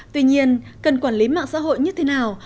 tuy nhiên cần quản lý mạng xã hội như thế nào